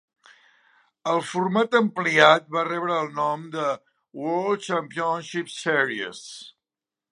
El format ampliat va rebre el nom de Bowl Championship Series.